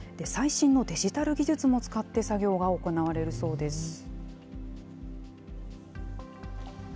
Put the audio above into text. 最新のデジタル技術も使って作業が行われるそうです。